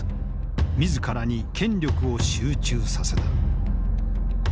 自らに権力を集中させた。